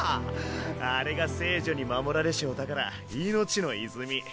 あれが聖女に守られしお宝「生命の泉」。